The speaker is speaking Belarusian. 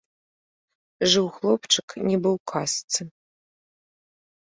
Жыў хлопчык нібы ў казцы.